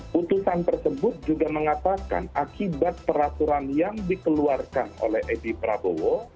putusan tersebut juga mengatakan akibat peraturan yang dikeluarkan oleh edi prabowo